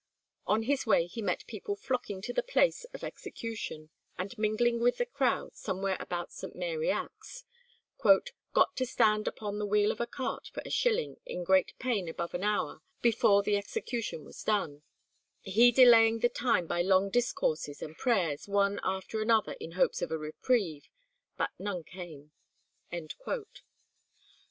On his way he met people flocking to the place of execution, and mingling with the crowd, somewhere about St. Mary Axe, "got to stand upon the wheel of a cart for a shilling in great pain above an hour before the execution was done: he delaying the time by long discourses and prayers one after another in hopes of a reprieve, but none came."